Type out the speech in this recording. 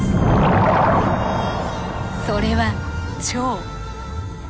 それは腸。